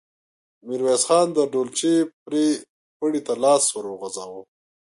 ميرويس خان د ډولچې پړي ته لاس ور وغځاوه.